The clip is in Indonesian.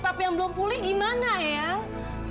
papi yang belum pulih gimana eyang